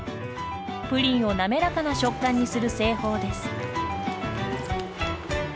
プリンを滑らかな食感にする製法です。